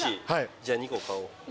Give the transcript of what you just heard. じゃあ２個買おう。